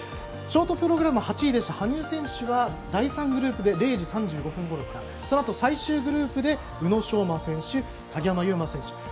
ショートプログラム８位でした羽生選手は第３グループで０時３５分ごろからそのあと、最終グループで宇野昌磨選手と鍵山優真選手。